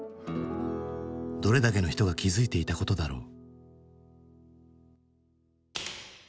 どれだけの人が気付いていたことだろう。